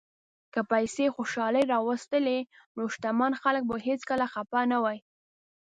که پیسې خوشالي راوستلی، نو شتمن خلک به هیڅکله خپه نه وای.